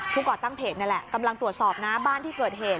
ก่อตั้งเพจนั่นแหละกำลังตรวจสอบนะบ้านที่เกิดเหตุ